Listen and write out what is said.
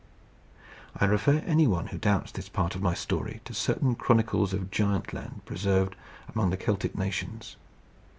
I refer anyone who doubts this part of my story to certain chronicles of Giantland preserved among the Celtic nations.